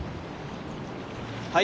はい？